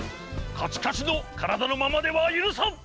カチカチのからだのままではゆるさん！